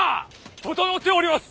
整っております！